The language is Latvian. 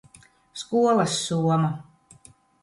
Skolas soma